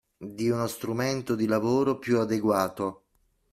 Di uno strumento di lavoro più adeguato.